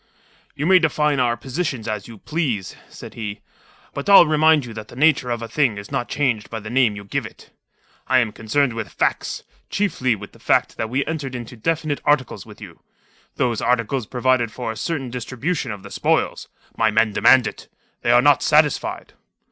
"You may define our positions as you please," said he. "But I'll remind you that the nature of a thing is not changed by the name you give it. I am concerned with facts; chiefly with the fact that we entered into definite articles with you. Those articles provide for a certain distribution of the spoil. My men demand it. They are not satisfied."